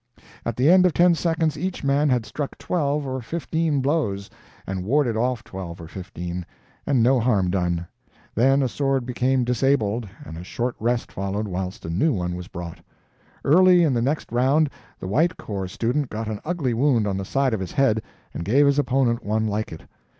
At the end of ten seconds each man had struck twelve or fifteen blows, and warded off twelve or fifteen, and no harm done; then a sword became disabled, and a short rest followed whilst a new one was brought. Early in the next round the White Corps student got an ugly wound on the side of his head and gave his opponent one like it.